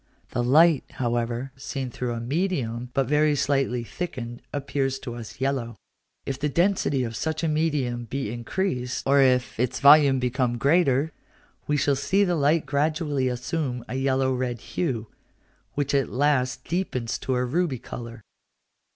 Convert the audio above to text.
This light, however, seen through a medium but very slightly thickened, appears to us yellow. If the density of such a medium be increased, or if its volume become greater, we shall see the light gradually assume a yellow red hue, which at last deepens to a ruby colour.